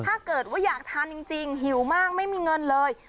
ถ้าเกิดว่าอยากทานจริงหิวมากไม่มีเงินเลย